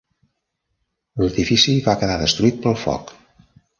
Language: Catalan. L'edifici va quedar destruït pel foc.